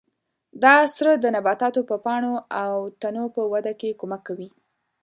دا سره د نباتاتو د پاڼو او تنو په وده کې کومک کوي.